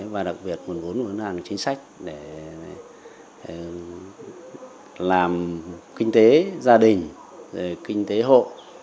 và đặc biệt nguồn vốn của ngân hàng chính sách để làm kinh tế gia đình kinh tế hộ